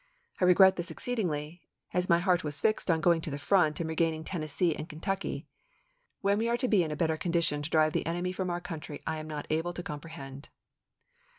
I regret this exceedingly, as my heart was fixed on going to the front and regaining Tennessee and Kentucky. .. When we are to be in better condition to drive the J#B<Hood enemy from our country I am not able to com "Adanadnce prehend."